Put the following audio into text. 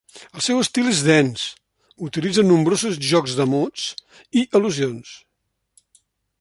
El seu estil és dens, utilitza nombrosos jocs de mots i al·lusions.